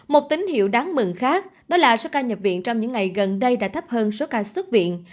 một tín hiệu đáng mừng khác đó là số ca nhập viện trong những ngày gần đây đã thấp hơn số ca xuất viện